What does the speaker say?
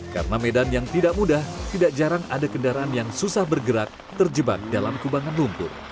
karena medan yang tidak mudah tidak jarang ada kendaraan yang susah bergerak terjebak dalam kubangan lumpur